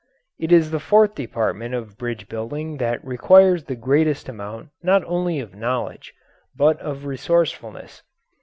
It is the fourth department of bridge building that requires the greatest amount not only of knowledge but of resourcefulness.